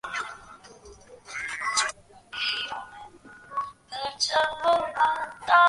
করুণা কিছুই উত্তর দিল না।